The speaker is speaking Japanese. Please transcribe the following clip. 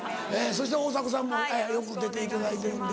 そして大迫さんもよく出ていただいてるんで。